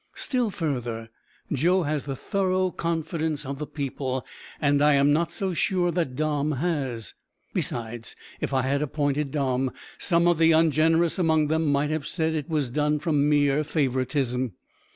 Still further, Joe has the thorough confidence of the people, and I am not so sure that Dom has. Besides, if I had appointed Dom, some of the ungenerous among them might have said it was done from mere favouritism.